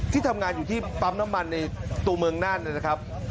ที่ทำงานอยู่ที่ปั๊มน้ำมันในตัวเมืองน่านนะครับ